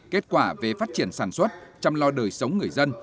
kết quả về phát triển sản xuất chăm lo đời sống người dân